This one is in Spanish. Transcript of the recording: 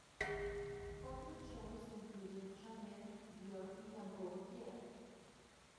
Otros shows incluyen Chanel, Dior y Jean-Paul Gaultier.